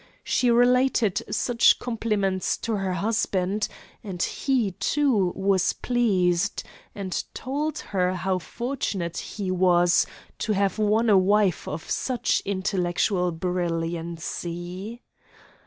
She related such compliments to her husband; and he, too, was pleased, and told her how fortunate he was to have won a wife of such intellectual brilliancy.